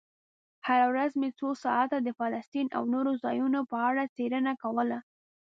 هره ورځ مې څو ساعته د فلسطین او نورو ځایونو په اړه څېړنه کوله.